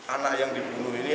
anak yang dibunuh ini